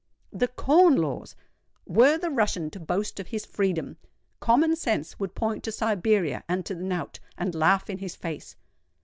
THE CORN LAWS! Were the Russian to boast of his freedom, Common Sense would point to Siberia and to the knout, and laugh in his face.